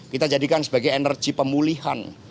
kita jadikan sebagai energi pemulihan